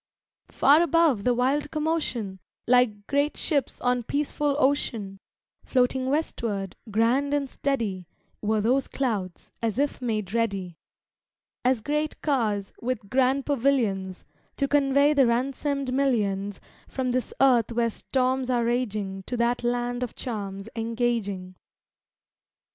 Far above the wild commotion, Like great ships on peaceful ocean, Floating westward, grand and steady, Were those clouds, as if made ready, As great cars, with grand pavilions, To convey the ransomed millions From this earth where storms are raging To that land of charms engaging.